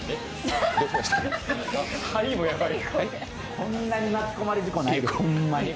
こんなに巻き込まれ事故ないですよ。